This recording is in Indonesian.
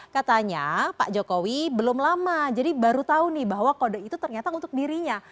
katanya pak jokowi belum lama jadi baru tahu nih bahwa kode itu ternyata untuk dirinya